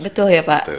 betul ya pak